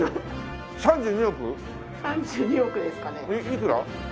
いくら？